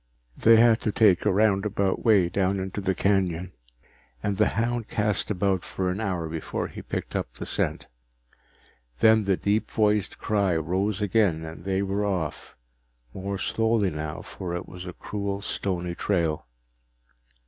They had to take a roundabout way down into the canyon and the hound cast about for an hour before he picked up the scent. Then the deep voiced cry rose again and they were off more slowly now, for it was a cruel stony trail.